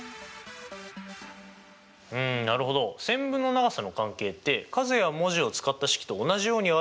うんなるほど線分の長さの関係って数や文字を使った式と同じように表すと一目で分かりますね。